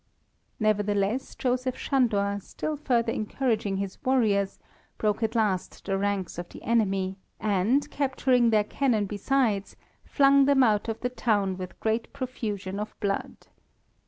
Nevertheless, Joseph Sándor, still further encouraging his warriors, broke at last the ranks of the enemy, and, capturing their cannon besides, flung them out of the town with great profusion of blood.